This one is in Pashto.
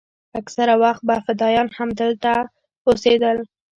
اکثره وخت به فدايان همدلته اوسېدل.